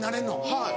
はい。